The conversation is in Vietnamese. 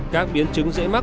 các biến chứng dễ mắc